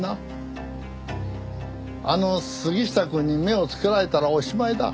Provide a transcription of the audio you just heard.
あの杉下くんに目をつけられたらおしまいだ。